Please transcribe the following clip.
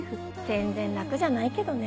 全然楽じゃないけどね。